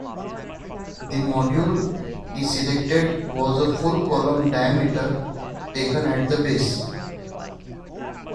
The module he selected was a full column diameter taken at the base.